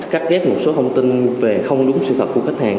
cắt ghép một số thông tin về không đúng sự thật của khách hàng